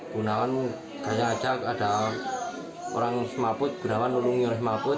gunawan saya ajak ada orang semaput gunawan ulung yorh semaput